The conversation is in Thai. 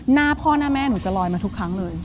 หน้าพ่อหน้าแม่หนูจะลอยมาทุกครั้งเลย